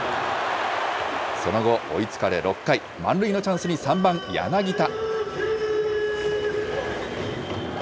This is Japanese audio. その後追いつかれ、６回、満塁のチャンスに３番柳田。